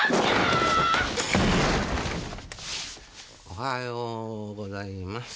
おはようございます。